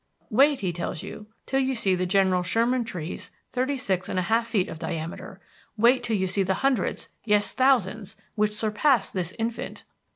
Wait, he tells you, till you see the General Sherman Tree's thirty six and a half feet of diameter; wait till you see the hundreds, yes thousands, which surpass this infant!